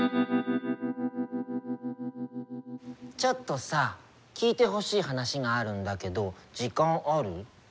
ちょっとさ聞いてほしい話があるんだけど時間ある？